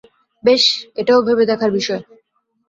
বেশ, এটাও ভেবে দেখার বিষয়।